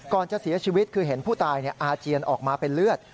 จะเสียชีวิตคือเห็นผู้ตายอาเจียนออกมาเป็นเลือด